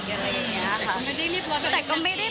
อย่างไรอย่างนี้นะคะ